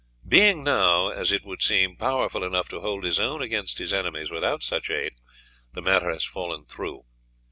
Being now, as it would seem, powerful enough to hold his own against his enemies without such aid, the matter has fallen through.